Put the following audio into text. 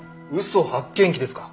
嘘発見器ですか。